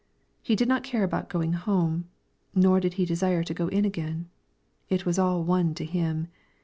He did not care about going home, nor did he desire to go in again, it was all one to him.